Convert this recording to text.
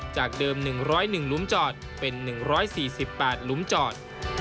จากเดิม๑๐๑หลุมจอดเป็น๑๔๘หลุมจอด